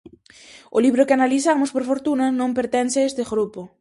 O libro que analizamos, por fortuna, non pertence a este grupo.